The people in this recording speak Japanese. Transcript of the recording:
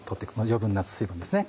余分な水分ですね